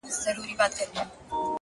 • له هغه پیونده جوړ د ژوندون خوند کړي ,